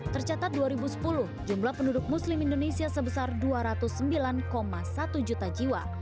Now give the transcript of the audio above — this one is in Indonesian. tercatat dua ribu sepuluh jumlah penduduk muslim indonesia sebesar dua ratus sembilan satu juta jiwa